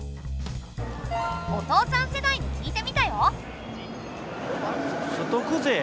お父さん世代に聞いてみたよ。